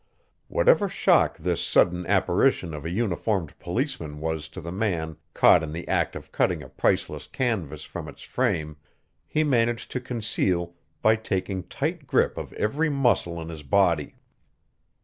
Whatever shock this sudden apparition of a uniformed policeman was to the man caught in the act of cutting a priceless canvas from its frame he managed to conceal by taking tight grip of every muscle in his body.